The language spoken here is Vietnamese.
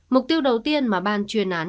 mục tiêu đầu tiên mà ban chuyên án